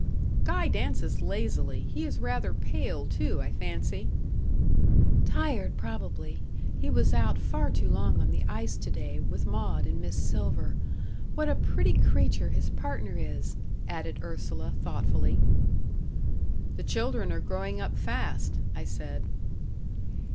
"Guy dances lazily; he is rather pale too, I fancy." "Tired, probably. He was out far too long on the ice to day, with Maud and Miss Silver. What a pretty creature his partner is!" added Ursula, thoughtfully. "The children are growing up fast," I said.